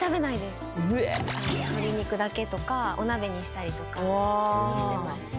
鶏肉だけとかお鍋にしたりとかにしてます。